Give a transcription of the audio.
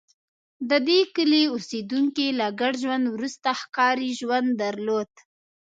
د دې کلي اوسېدونکي له ګډ ژوند وروسته ښکاري ژوند درلود